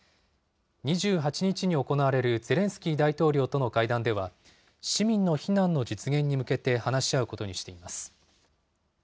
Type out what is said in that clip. ２８日に行われるゼレンスキー大統領との会談では、市民の避難の実現に向けて話し合うことにしています。